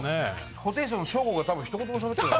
ホテイソンのショーゴが多分ひと言もしゃべってない。